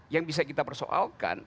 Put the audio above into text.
yang bisa kita persoalkan